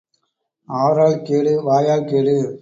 ஆரால் கேடு, வாயால் கேடு.